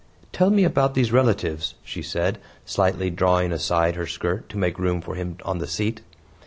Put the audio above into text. "Tell me about these relatives," she said, slightly drawing aside her skirt to make room for him on the seat.